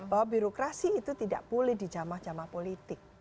bahwa birokrasi itu tidak boleh dijamah jamah politik